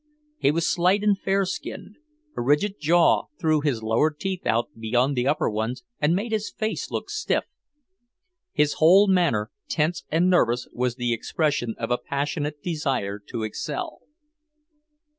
He was slight and fair skinned; a rigid jaw threw his lower teeth out beyond the upper ones and made his face look stiff. His whole manner, tense and nervous, was the expression of a passionate desire to excel.